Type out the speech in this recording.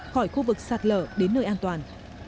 khỏi khu vực sạt lở đến nơi an toàn